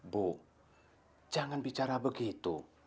bu jangan bicara begitu